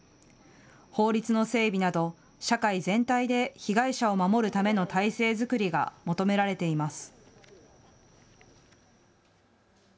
法律の整備など社会全体で被害者を守るための体制作りが求められています。